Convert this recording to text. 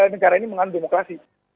negara ini menganut demokrasi